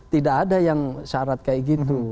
tidak ada yang syarat kayak gitu